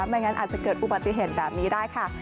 ไม่งั้นอาจจะเกิดอุบัติเหตุแบบนี้ได้ค่ะ